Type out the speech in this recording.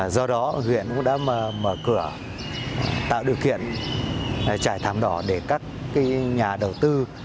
do đó huyện cũng đã mở cửa tạo điều kiện trải thám đỏ để các nhà đầu tư